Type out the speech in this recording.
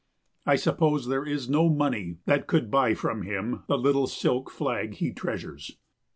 I suppose there is no money that could buy from him the little silk flag he treasures.